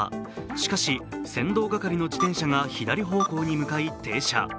しかし先導係の自転車が左方向に向かい停車。